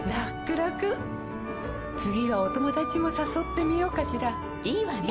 らくらくはお友達もさそってみようかしらいいわね！